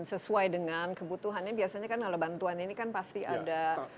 sesuai dengan kebutuhannya biasanya kan kalau bantuan ini kan pasti ada